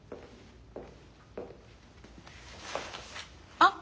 あっ！